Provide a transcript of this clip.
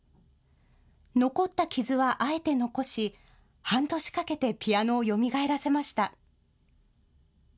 残った傷はあえて残し、半年かけてピアノをよみがえらせました。